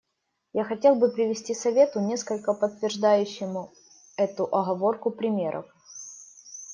Я хотел бы привести Совету несколько подтверждающих эту оговорку примеров.